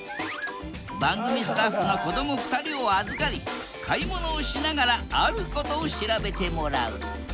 番組スタッフの子ども２人を預かり買い物をしながらあることを調べてもらう。